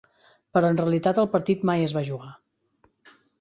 Però en realitat el partit mai es va jugar.